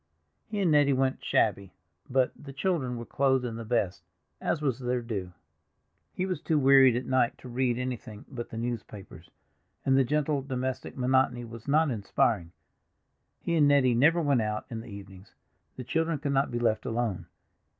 He and Nettie went shabby, but the children were clothed in the best, as was their due. He was too wearied at night to read anything but the newspapers, and the gentle domestic monotony was not inspiring. He and Nettie never went out in the evenings; the children could not be left alone.